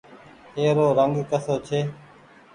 ايرو رنگ ڪسو ڇي۔